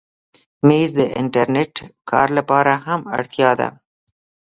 مېز د انټرنېټ کار لپاره هم اړتیا ده.